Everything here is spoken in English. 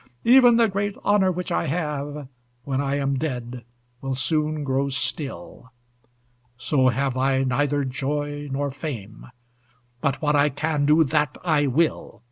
Even the great honor which I have, When I am dead, will soon grow still; So have I neither joy nor fame But what I can do, that I will.